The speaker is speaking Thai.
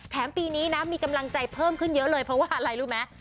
ปีนี้นะมีกำลังใจเพิ่มขึ้นเยอะเลยเพราะว่าอะไรรู้ไหม